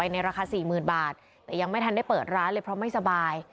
ในราคา๔๐๐๐บาทแต่ยังไม่ทันได้เปิดร้านเลยเพราะไม่สบาย